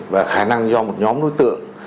và khả năng do một nhóm đối tượng